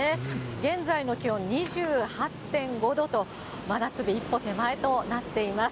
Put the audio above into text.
現在の気温２８．５度と、真夏日一歩手前となっています。